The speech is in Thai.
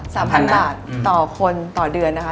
เป็นไปได้ค่ะ๓๐๐๐บาทต่อคนต่อเดือนนะคะ